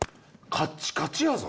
カッチカチやぞ！